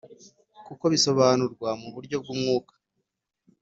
kuko bisobanurwa mu buryo bw'Umwuka.